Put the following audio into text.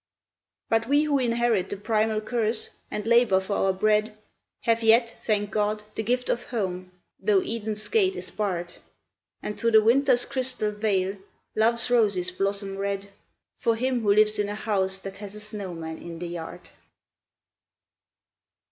But we who inherit the primal curse, and labour for our bread, Have yet, thank God, the gift of Home, though Eden's gate is barred: And through the Winter's crystal veil, Love's roses blossom red, For him who lives in a house that has a snowman in the yard.